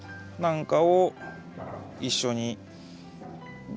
なんかを一緒に。